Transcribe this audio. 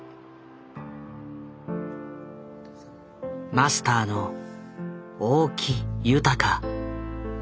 マスターの大木雄高。